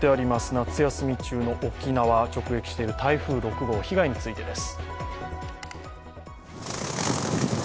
夏休み中の沖縄を直撃している台風６号、被害についてです。